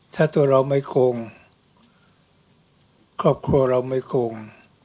ถ้าตัวเราไม่คงครอบครัวเราไม่คง